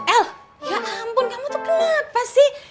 el ya ampun kamu tuh kenapa sih